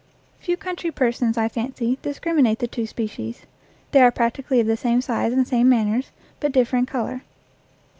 Few country persons, I fancy, discriminate the two species. They are practically of the same size and same manners, but differ in color.